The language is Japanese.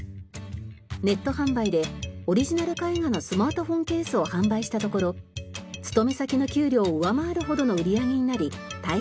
ネット販売でオリジナル絵画のスマートフォンケースを販売したところ勤め先の給料を上回るほどの売り上げになり退職。